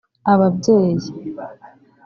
ababyeyi